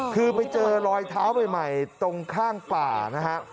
คือไปเจอรอยเท้าใหม่ตรงข้างป่านะฮะ